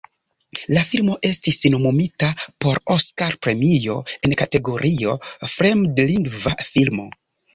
La filmo estis nomumita por Oskar-premio en kategorio "fremdlingva filmo".